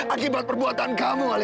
akibat perbuatan kamu alena